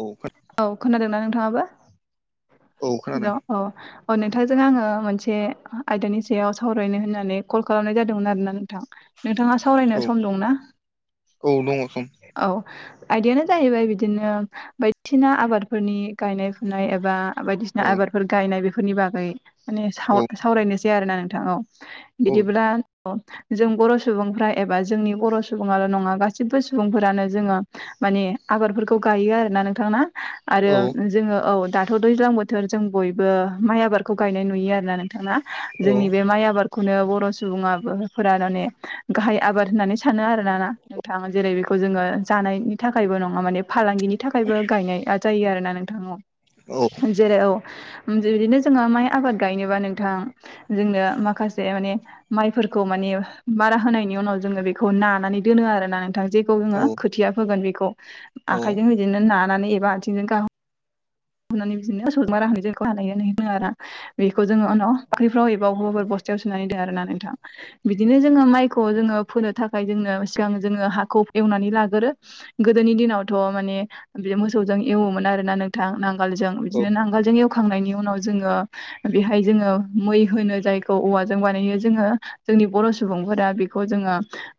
औ खो औ खोनादोंना नोंथाङाबो औ खोनादों हेलौ औ अ नोंथांजों आङो मोनसे आयदानि सायाव सावरायनो होननानै कल खालामनाय जादोंमोन आरोना नोंथां नोंथाङा सावरायनो औ सम दंना औ दङ सम औ आयदायानो जाहैबाय बिदिनो बाय दिसिना आबादफोरनि गायनाय फुनाय एबा बायदिसिना औ आबादफोर गायनाय बेफोरनि बागै माने औ साव-सावरायनोसै आरोना नोंथां औ औ बिदिब्ला जों बर' सुबुंफ्रा एबा जोंनि बर' सुबुंङा ल नङा गासिबो सुबुंफोरानो जोंङो माने आबादफोरखौ गायो आरोना नोंथां ना आरो औ जोंङो औ दाथ' दैज्लां बोथोर जों बयबो माइ आबादखौ गायनाय नुयो आरो नों थांङा औ जोंनि बे माइ आबाद खौनो बर' सुबुङा फोर माने गाहाय आबाद होननानै सानो आरो ना ना नोंथां जेरै बेखौ जोङो जानायनि थाखायबो नङा माने फालांगिनि थाखाय थाखायबो गायनाया जायो आरोना नोंथां औ औ जेरै औ बिदिनो जोंङो माइ आबाद गायनोबा नोंथां जोंनो माखासे माने माइफोरखौ माने मारा होनायनि उनाव जोङो बेखौ नानानै दोनो आरोना नोंथां जे खौ बुङो खोथिया फोगोन बेखौ आखाइजों बिदिनो नानानै एबा आथिंजों गाह होनानै बिदिनो सजमार राै जोंखौ हानाय होनोङो आरो ना बेखौ जों उनाव बाख्रिफ्राव [unintelligible] बबेबा बस्थायाव सोनानै दो आरो ना नोंथां बिदिनो जोङो माइखौ जोङो फोनो थाखाय जोङो सिगां जोङो हाखौ एवनानै लागोरो गोदोनि दिनावथ' माने बे मोसौजों एवोमोन आरोना नोंथां नांगालजों बिदिनो नांगोलजों एवखांनायनि उनाव जोङो बेहाय जोङो मै होनो जायखौ औवाजों बानायो जोङो जोंनि बर' सुबुंफोरा बेखौ जोङो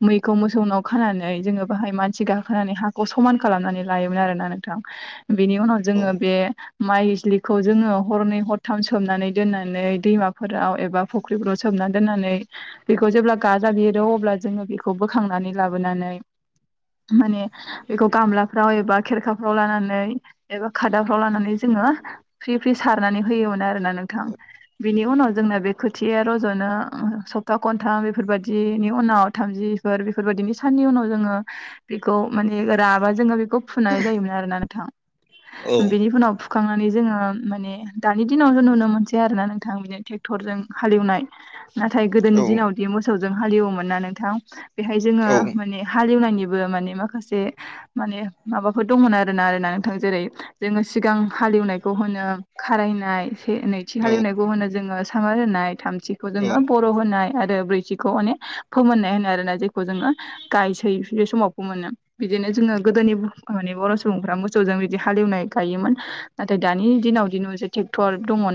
मैखौ मोसौ नाव खानानै जोङो बाहाय मानसि गाखोनानै हाखौ समान खालामनानै लायोमोन आरोना नोंथां बेनि उनाव जोङो बे माइ इजलिखौ जोङो हरनै हरथाम सोमनानै दोननानै दैमाफोराव एबा फुख्रिफोराव सोमना दोननानै बेखौ जेब्ला गाजा बेरो अब्ला जोङो बेखौ बोखांनानै लाबोनानै माने बेखौ गामलाफ्राव एबा खेरखाफ्राव लानानै एबा खादाफ्राव लानानै जोङो फ्रि फ्रि सारनानै होयोमोन आरोना नोंथां बिनि उनाव जोंना बे खोथिया रज'नो अ सप्ता घन्थाम बेफोरबायदिनि उनाव थामजि बेफोरबायदिनो साननि उनाव जोङो बेखौ माने राबा जोङो बे फुनाय जायोमोन आरोना नोंथां औ बेनि उनाव फुखांनानै जोङो माने दानि दिनावथ' नुनो मोनसै आरोना नोंथां बिदिनो ट्रेक्टरजों हालेवनाय नाथाय गोदोनि दिनावदि मोसौजों हालेवोमोन ना नोंथां बेहाय जोङो माने हालेवनायनिबो माने माखासे माने माबाफोर दंमोन आरो ना आरो ना नोंथां जेरै जोङो सिगां हालेवनायखौ होनो खारायनाय नैथि हालेवनायखौ होनो जोङो दिखांना रोननाय थामथिखौ जोङो बर' होनाय आरो ब्रैथिखौ माने फोमोननाय होनाय आरोना जायखौ जोङो गायसै बे समाव फोमोनो बिदिनो जोङो गोदोनि माने बर' सुबुंफ्रा मोसौजों बिदि हालेवनाय गायोमोन नाथाय दानि दिनाव [inaudible] ट्रेरेक्टर दङ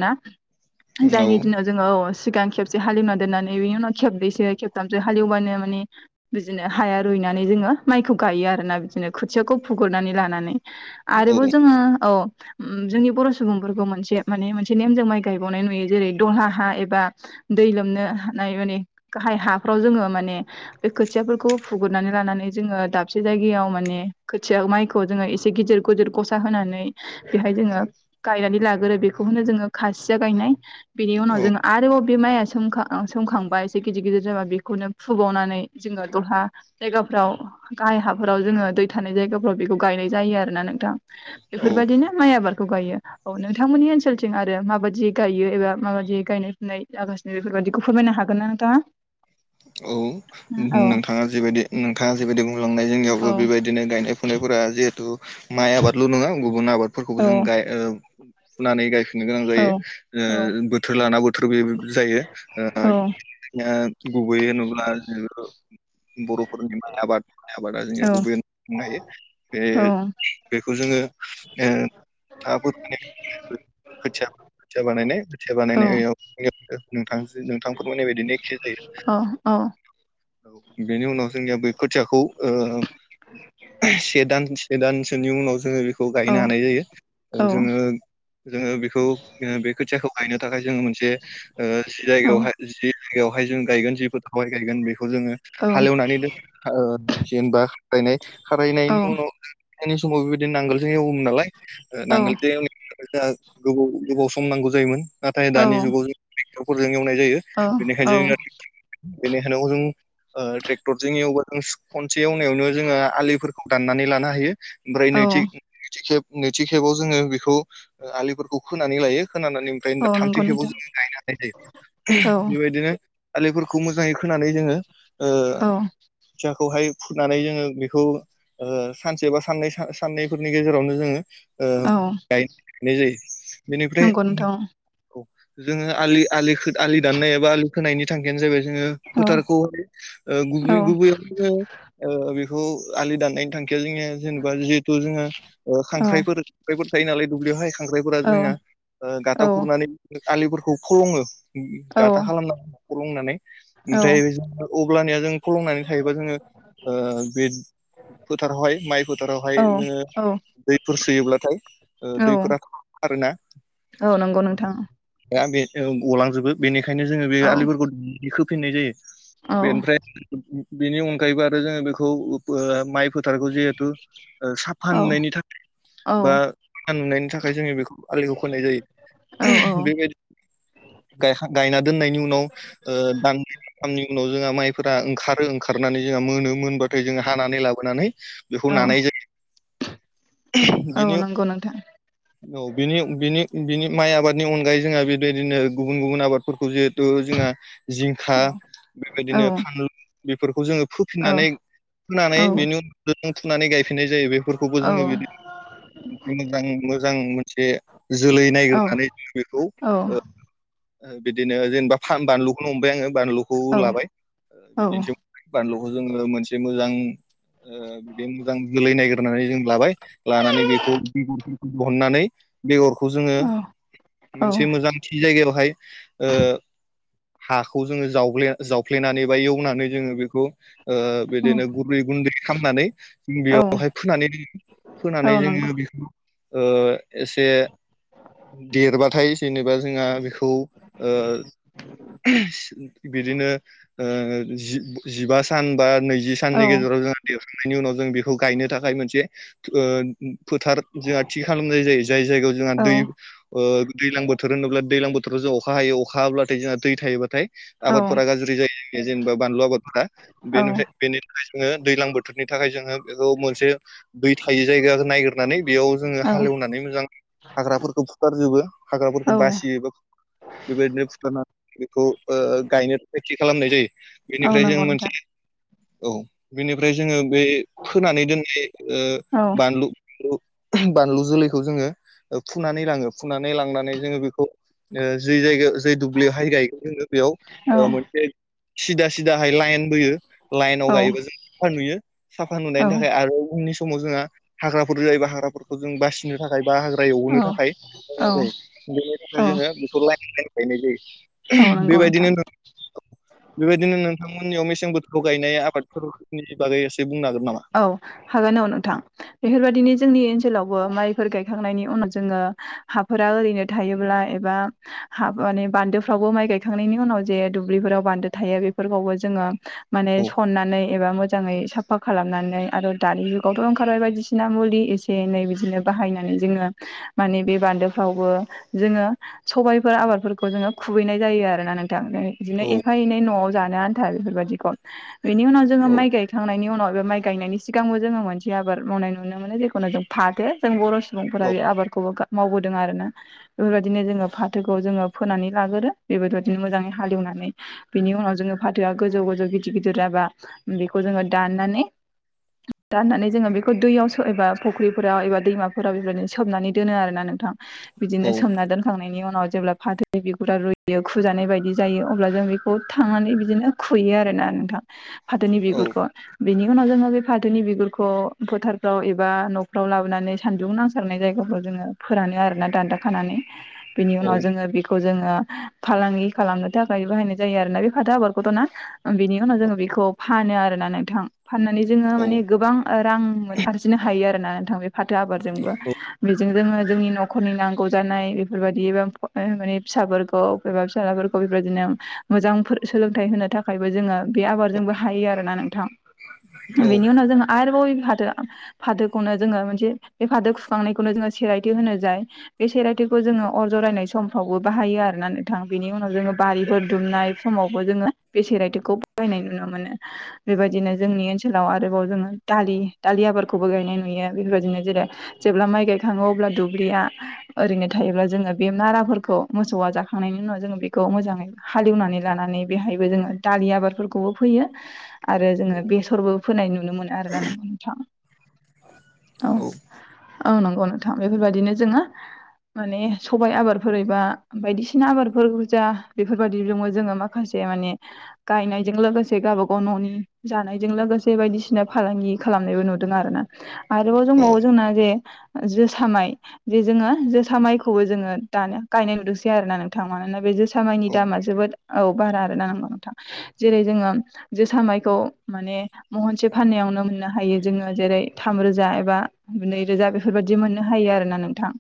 जायनि दिनाव जोङो औ सिगां खेबसे हालेवना दोननानै बेनि उनाव खेबनैसो खेबथामसो हालेवबानो माने बिदिनो हाया रुइनानै जोङो माइखौ गायो आरो ना बिदिनो खोथियाखौ फुगुरनानै लानानै आरोबाव औ जोङो औ उम जोंनि बर' सुबुंफोरखौ मोनसे माने मोनसे नेमजों माइ गायबावनाय नुयो जेरै दलहा हा एबा दै लोमनो हानाय माने गाहाय हाफ्राव जोङो माने बे खोथियाफोरखौ फुगुरनानै लानानै जोङो दाबसे जायगायाव माने खोथिया माइखौ जों एसे गदिर गोदोर गसा होनानै बेहाय जोङो गायनानै लागोरो बेखौनो जोङो खासिया गायनाय बेनि उनाव जोङो आरोबाव बे माइया सोमखा सोमखांबाय एसे गिदिर गिदिर जाबा बेखौनो फोबावनानै जोङो दलहा जायगाफ्राव गाहाय हाफोराव जोङो दै थानाय जायगाफ्राव बेखौ गायनाय जायो आरोना नोंथां औ औ बेफोरबायदिनो माइ आबादखौ गायो औ नोंथांमोननि ओनसोलथिं आरो माबाददि गायो एबा माबाददि गायनाय फुनाय जागा बेफोरबायादिखौ फोरमायनो हागोन ना नोंथांआ औ नोंथाङा जिबायदि नोंथाङा जिबायदि बुंलांनाय जोंनियावबो औ बेबायदिनो गायनाय फुनायफोरा जिहेथु माइ आबादल' नङा गुबुन आबादफोरखौबो औ जों गाय ओ फुनानै गाय [unintelligible] नो गोनां औ जायो ओ औ बोथोर लाना बोथोर बे जायो ओ गुबैय होनोब्ला ओ बर' [unintelligible] [unintelligible] आबाद माइ आबादा औ जों गुबै [unintelligible] हायो बे बेखौ जोङो ओ हाफोर माने खोथिया खोथिया बानायनाय खोथिया औ बानायनायाव [unintelligible] नोंथां नोंथां फोरमायनाय बायदिनो एखे जायो। अ औ औ बेनि उनाव जोंनिया बै खोथियाखौ ओ से दान से दानसोनि उनाव जोङो बेखौ खौ गायनो हानाय जायो औ जोङो जोङो बेखौ बे खोथियाखौ गायनो थाखाय जोङो मोनसे जे ओ जि जायगायावहाय जि जायगायावहाय जों गायगोन जि फोथारावहाय गायगोन बेखौ जोङो औ हालेवनानै द जेनेबा खारनाय खारनायनि उनाव खनायनि समाव बेबाय बिदिनो नांगोलजों एवोमोन नालाय औ नांगोलजों एव जोंहा गोबाव गोबाव सम नांगौ जायोमोन। नाथाय दानि जुगाव जों टेक्टरफोरजों एवनाय जायो औ औ बेनिखायनो बेनिखायनो जों ओ ट्रेक्टरजों एवबा जों खनसे एवनायावनो जोङो आलिफोरखौ दान्नानै लानो हायो। ओमफ्राय औ नैथि नैथि खेब नैथि खेबाव जोङो बेखौ आलिफोरखौ खोनानै लायो खोनानानै ओमफ्रायो औ दा नंगौ थामथि खेबाव नोंथां जोङो गायनो हानाय औ जायो बेबायदिनो आलिफोरखौ मोजाङै खोनानै जोङो औ खोथियाखौहाय फुनानै जोङो बेखौ सानसे बा सा-साननै सानैफोरनि गेजेरावनो जोङो औ गायनाय जायो बेनिफ्राय नंगौ नोंथां औ जोङो आलि आलि आलि दाननाय एबा आलि खोनायनि थांखियानो जाबाय जोङो औ फोथारखौहाय ओ औ गुबै गुबै बेखौ आलि दाननायनि थांखिया जोंनिया जेनेबा जिहेथु जोङो ओ औ खांख्राइफोर खांख्राइफोर थायो नालाय दुब्लियाव हाय खांख्राइफोरा औ जोंनिया ओ औ गाथाव खुरनानै आलिफोरखौ फलङो औ गाथा खालामनै फलंनानै ओमफ्राय अब्लानिया जों खलंनानै थायोबा जोङो बे फोथारावहाय माइ फोथारावहाय औ जोङो औ दैफोर सोयोब्लाथाय ओ औ दैफोरा [unintelligible] रोना औ नंगौ नोंथां। द बे गलांजोबो बेनिखायनो जोङो बे औ आलिफोरखौ खोफिननाय जायो। औ बेनिफ्राय बेनि अनगायैबो आरो जोङो बेखौ माइ [unintelligible] फोथारखौ जिहेतु ओ साफा औ नुनायनि थाखाय औ बा साफा नुनायनि थाखाय जोङो बेखौ आलिखौ खोनाय जायो औ [unintelligible] बेबायदि गायखां गायना दोननायनि उनाव ओ दान [unintelligible] थामनि उनाव जोंहा माइफोरा ओंखारो ओंखारनानै जोंहा मोनो मोनबाथाय जो हानानै लाबोनानै बेखौ औ नानाय जायो औ बेनो [unintelligible] नंगौ नोंथां औ बिनि बिनि बिनि माइ आबादनि अनगायै जोङो बेबायदिनो गुबुन गुबुन आबाद। फोरखौ जिहेथु जोंहा जिंखा औ बेबायदिनो औ फानलु बेफोरखौ जोङो फोफिननानै फुनानै औ बेनि उनाव फुनानै गायफिननाय जायो बेफोरखौबो जोङो बिदि औ [unintelligible] मोजां मोजां मोनसे जोलै औ नायगिर नानै जों बेखौ औ बिदिनो जेनेबा बानलुखौनो हमबाय आङो बानलुखौ लाबाय बिदिनोसै बानलुखौ जोङो मोनसे मोजां बिदि मोजां जोलै नायगिरनानै जों लाबाय लानानै बेखौ [unintelligible] बहननानै बेगरखौ जोङो औ मोनसे मोजां थि जायगायावहाय ओ हाखौ जोङो जावले जावफ्लेनानै बा एवनानै जोङो बेखौ ओ बिदिनो नंगौ गुरै गुन्दै खामनानै बेयावहाय फोनानै दोन फोनानै जोङो बेखौ ओ एसे देरबाथाय जेनेबा जोंहा बेखौ ओ बिदिनो ओ जि जिबा सान बा नैजि औ साननि गेजेराव जों दिहुननायनि उनाव जों बेखौ गायनो थाखाय मोनसे ओ फोथार जोंहा थि खालामनाय जायो जाय जायगायाव जोंहा औ दै ओ दैज्लां बोथोर होनोब्ला दैलां बोथोराव जों अखा हायो अखा हाब्लाथाय जोंहा दै थायोबाथाय औ आबादफोरा गाज्रि जायो जेनेबा बानलु आबादफोरा औ बेनिफ्राय बेनि थाखाय जोङो दैज्लां बोथोरनि थाखाय जोङो बेखौ मोनसे दै थायि जायगा नायगिरनानै बेयाव जोङो हालेवनानै मोजां हाग्राफोरखौ फुथारजोबो। औ हाग्राफोरखौ बासियोबो। बेबायदिनो बुथारनानै बेखौ ओ गायनो थाखाय थि खालामनाय जायो। औ बेनिफ्राय जों नंगौ मोनसे नोंथां औ बेनिफ्राय जोङो बे फोनानै दोननाय ओ औ बानलु बानलु जोलैखौ जोङो फुनानै लाङो फुनानै लांनानै जोङो बेखौ ओ जै जायगायाव जै दुब्लियावहाय गायगोन जोङो बेयाव औ ओ मोनसे सिदा सिदाहाय लाइन बोयो लाइनाव गायोबा जों साफा नुयो। साफा औ नुनायनि थाखाय आरो उननि समाव जोंहा हाग्राफोर जायोबा हाग्राफोरखौ जों बासिनो थाखाय बा हाग्रा एवनो औ थाखाय औ बेनि थाखाय औ जोङो बेखौ लाइन लाइन गायनाय औ जायो। नंगौ नोंथां बेबायदिनो नों बेबायदिनो नोंथांमोननियाव मेसें बोथोराव गायनाय आबादफोरनि बागै एसे बुंनो हागोन नामा? औ हागोन औ नोंथां बेफोरबायदिनो जोंनि ओनसोलावबो माइफोर गायखांनायनि उनाव जोङो हाफोरा ओरैनो थायोब्ला एबा हाब माने बान्दोफ्रावबो माइ गायखांनायनि उनाव जे दुब्लिफोराव बान्दो थायो बेफोरखौबो जोङो माने औ सननानै एबा मोजाङै साफा खालामनानै आरो दानि जुगावथ' ओंखारबाय बायदिसिना मुलि एसे एनै बिदिनो बाहायनानै जोङो माने बे बान्दोफ्रावबो जोङो सबायफोर आबादफोरखौ जोङो खुबैनाय जायो आरोना नोंथां। बिदिनो औ एफा एनै न'आव जानो आन्था बेफोरबायदिखौ बेनि उनाव जोङो औ माइ गायखांनायनि उनाव बे माइ गायनायनि सिगांबो जोङो मोनसे आबाद मावनाय नुनो मोनो जेखुनु जों फाथो जों बर' सुबुंफोरा बे आबादखौ मावबोदों आरोना। बेफोरबायदिनो जोङो फाथोखौ जोङो फोनानै लाग्रो बेबोथ'दिनो मोजाङै हालेवनानै बिनि उनाव जोङो फाथोआ गोजौ गोजौ गिदिर गिदिर जाबा बेखौ जोङो दाननानै दाननानै जोङो बेखौ दैयाव एबा फुख्रिफोराव एबा दैमाफोराव बेबायदिनो सोमनानै दोनो आरोना नोंथां। बिदिनो औ सोमना दोन थांनायनि उनाव जेब्ला फाथो बिगुरा रुयो खुजानाय बायदि जायो अब्ला जों बेखौ थांनानै बिदिनो खुयो आरोना नोंथां फाथोनि औ बिगुरखौ बिनि उनाव जोङो बे फाथोनि बिगुरखौ फोथारफ्राव एबा न'फ्राव लाबोनानै सानदुं नांसारनाय जायगाफ्राव जोङो फोरानो आरोना दान्दाा खानानै। [inaudible] बिनि उनाव जोङो बेखौ जोङो फालांगि खालामनो थाखाय बाहायनाय जायो आरोना बे फाथो आबादखौथ' ना बेनि उनाव जोङो बेखौ फानो आरोना नोंथां। फाननानै जोङो औ माने गोबां रां आरजिनो हायो आरोना नोंथां बे फाथो आबादजोंबो बेजों जोङो जोंनि न'खरनि नांगौ जानाय बेफोरबायदि एबा माने फिसाफोरखौ सोरबा फिसालाफोरखौ बेबायदिनो मोजां फो सोलोंथाइ होनो थाखायबो जोङो बे आबादजोंबो हायो आरोना नोंथां बेनि उनाव जोङो आरोबाव ऐ फाथो फाथोखौनो जोङो मोनसे बे फाथो खुखांनायखौनो जोङो सिरायथि होनो जाय बे सेरायथिखौ जोङो अर जरायनाय समफ्रावबो बाहायो आरोना नोंथां बेनि उनाव जोङो बारिफोर दुमनाय समावबो जोङो बे सेरायथिखौ बाहायनाय नुनो मोनो बेबायदिनो जोंनि ओनसोलाव आरोबाव जोङो दालि दालि आबादखौबो गायनाय नुयो बेफोरबायदिनो जेरै जेब्ला माइ गायखाङो अब्ला दुब्लिया ओरैनो थायोब्ला जोङो बे माराफोरखौ मोसौआ जाखांनायनि उनाव जोङो बेखौ मोजाङै हाल एवनानै लानानै बेहायबो जोङो दालि आबादफोरखौबो फैयो आरो जोङो बेसरबो फोनाय नुनो मोनो आरोना नोंथां औ औ नंगौ नोंथां बेफोरबायदिनो जोङो माने सबाय आबादफोर एबा बायदिसिना आबादफोर बुरजा बेफोरबायदिबो जोङो मा खासे माने गायनायजों लोगोसे गावबा गाव न'नि जानायजों लोगोसे बायदिसिना फालांगि खालामनायबो नुदों आरो ना आरोबाव जोंमाव जोंना जे‌ ओ जोसा माय जे जोङो जोसा माइखौबो जोङो दानो गायनाय नुदोंसै आरो ना नोंथाङा मानोना बे जोस जोसा माइनि दामा जोबोद औ बारा आरो ना नंगौ नोंथां जेरै जोङो जोसा मायखौ माने महनसे फाननायावनो मोननो हायो जोङो जेरै थामरोजा एबा नैरोजा बेफोरबायदि मोननो हायो आरो ना नोंथां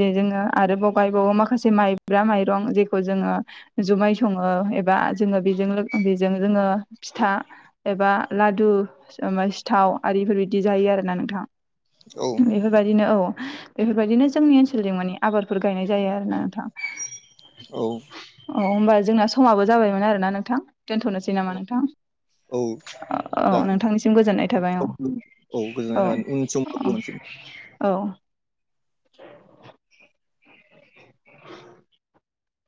जे जोङो आरोबाव गायबावो माखासे माइब्रा माइरं जेखौ जोङो जुमाय सङो एबा जोङो बेजों लोग बेजों जोङो फिथा एबा लादु सो ओ मा सिथाव आरिफोर बिदि जायो आरोना नोंथां औ बायदिनो औ बेफोरबायदिनो जोंनि ओनसोलजों माने आबादफोर गायनाय जायो आरोना नोंथां औ अ होमबा जोंना समाबो जाबायमोन आरो ना नोंथां दोनथ'नोसै औ नामा नोंथां? औ औ जागोन नोंथांनिसिम गोजोननाय उन थाबाय औ सम उम औ गोजोननाय थाबाय उन समाव लोगो मोनसि औ [inaudible]